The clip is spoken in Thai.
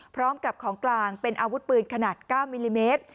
พร้อมกับของกลางเป็นอาวุธปืนขนาด๙มิลลิเมตร